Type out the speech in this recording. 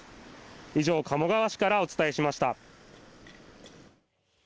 以上、鴨川市からお伝えしました。